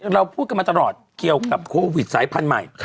เราพูดกันมาตลอดเกี่ยวกับโควิดสายพันธุ์ใหม่